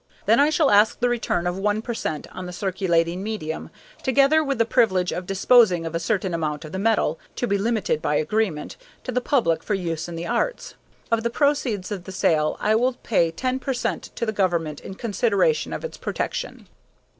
"Then I shall ask the return of one per cent, on the circulating medium, together with the privilege of disposing of a certain amount of the metal to be limited by agreement to the public for use in the arts. Of the proceeds of this sale I will pay ten per cent. to the government in consideration of its protection."